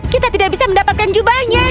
kita tidak bisa mendapatkan jubahnya